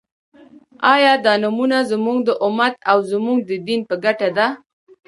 آیا دا نومؤنه زموږ د امت او زموږ د دین په ګټه ده؟